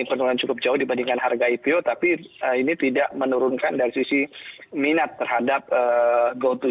penurunan cukup jauh dibandingkan harga ipo tapi ini tidak menurunkan dari sisi minat terhadap gotoh